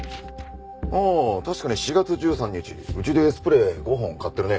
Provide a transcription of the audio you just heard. ああ確かに４月１３日うちでスプレー５本買ってるね。